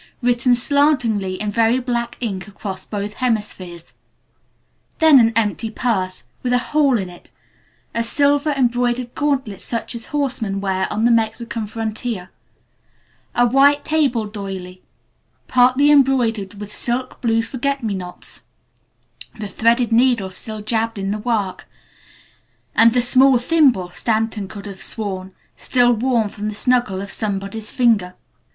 written slantingly in very black ink across both hemispheres. Then an empty purse with a hole in it; a silver embroidered gauntlet such as horsemen wear on the Mexican frontier; a white table doily partly embroidered with silky blue forget me nots the threaded needle still jabbed in the work and the small thimble, Stanton could have sworn, still warm from the snuggle of somebody's finger.